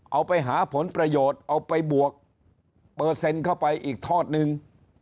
เอาไปหาผลประโยชน์เอาไปบวกเปอร์เซ็นต์เข้าไปอีกทอดนึง